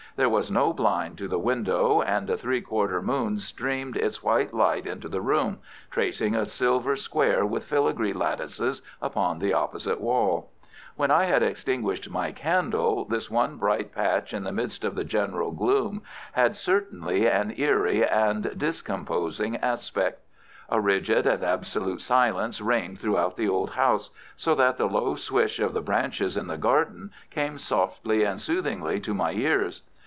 There was no blind to the window, and a three quarter moon streamed its white light into the room, tracing a silver square with filigree lattices upon the opposite wall. When I had extinguished my candle this one bright patch in the midst of the general gloom had certainly an eerie and discomposing aspect. A rigid and absolute silence reigned throughout the old house, so that the low swish of the branches in the garden came softly and soothingly to my ears.